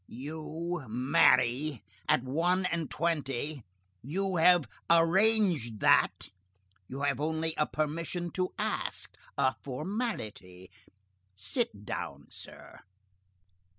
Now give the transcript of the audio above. "You marry! At one and twenty! You have arranged that! You have only a permission to ask! a formality. Sit down, sir.